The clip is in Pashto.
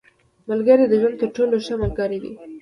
• ملګری د ژوند تر ټولو ښه ملګری دی.